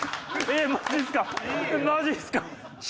マジっすか？